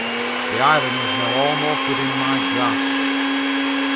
The island was now almost within my grasp.